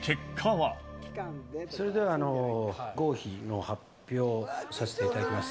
それでは合否の発表させていただきます。